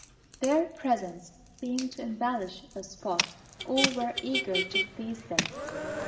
Their presence seemed to embellish the spot. All were eager to please them.